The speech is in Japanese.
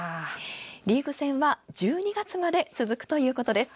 リーグ戦は１２月まで続くということです。